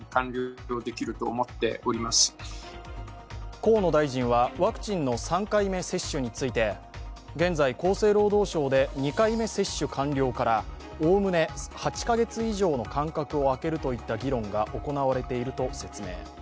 河野大臣はワクチンの３回目接種について現在、厚生労働省で２回目接種完了からおおむね８カ月以上の間隔を空けるといった議論が行われていると説明。